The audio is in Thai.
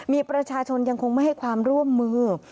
มีประชาชนยังคงไม่ให้ความร่วมมือ